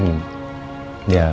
harus apa pak bos